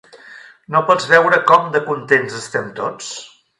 No pots veure com de contents estem tots?